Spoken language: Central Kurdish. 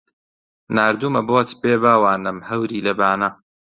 ناردوومە بۆت بێ باوانم هەوری لە بانە